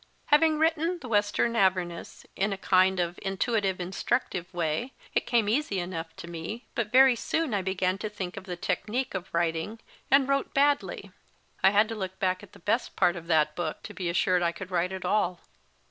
Having written * The Western Avernus in a kind of intuitive, instructive way, it came easy enough to me, but very soon I began to think of the technique of writing, and wrote badly. I had to look back at the best part of that book to be assured I could write at all.